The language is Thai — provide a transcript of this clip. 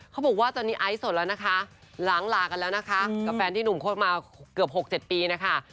เขาบอกว่าตอนนี้ไอซ์สดแล้วนะคะล้างลากันแล้วนะคะกับแฟนที่หนุ่มโคตรมาเกือบ๖๗ปีนะคะ